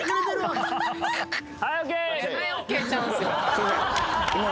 すいません